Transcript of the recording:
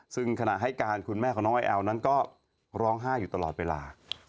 ซึ่งขณะให้การคุณแม่ของน้องไอแอลนั้นก็ร้องไห้อยู่ตลอดเวลา